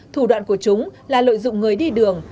thủ đoạn của chúng là lợi dụng người đi đường